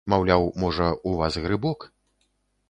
Маўляў, можа, у вас грыбок.